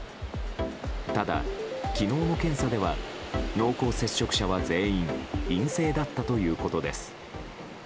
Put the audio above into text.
ただ、昨日の検査では濃厚接触者は全員陰性だったということです。